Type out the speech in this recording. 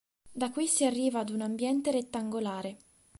Da qui si arriva ad un ambiente rettangolare.